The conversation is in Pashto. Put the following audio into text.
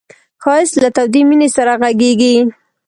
ښایست له تودې مینې سره غږېږي